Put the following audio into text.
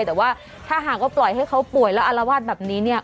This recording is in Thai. แต่ว่าถ้าหากว่าปล่อยให้เขาป่วยแล้วอารวาสแบบนี้เนี่ย